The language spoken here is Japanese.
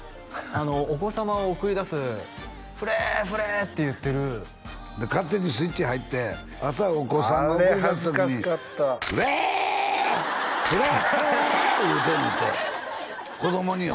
あのお子様を送り出す「フレーッ！フレーッ！」って言ってる勝手にスイッチ入って朝お子さんを送り出す時にあれ恥ずかしかった言うてんねんて子供によ？